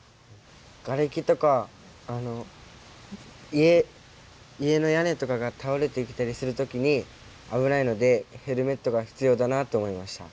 がれきとか家の屋根とかが倒れてきたりする時に危ないのでヘルメットが必要だなと思いました。